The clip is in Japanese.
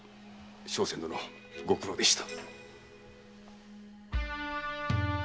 笙船殿ご苦労でした。